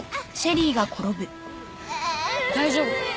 大丈夫？